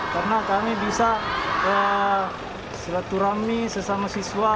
karena kami bisa selaturami sesama siswa